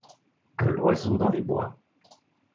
que l'oiseau dans les bois.